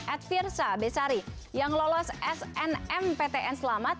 edvirsah besari yang lolos snmptn selamat